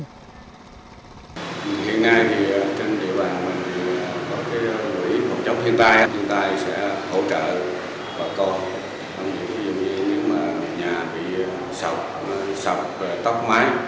giống như nhà bị sọc tóc mái